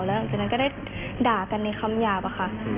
แล้วหลังจากนั้นก็ได้ด่ากันในคำหยาบอะค่ะ